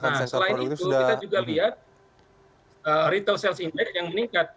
nah selain itu kita juga lihat retail sales index yang meningkat